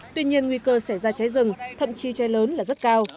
tuy nhiên nguy cơ xảy ra cháy rừng thậm chí cháy lớn là rất cao